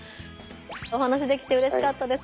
お話しできてうれしかったです。